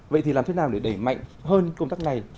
vậy thì làm thế nào để đẩy mạnh hơn công tác này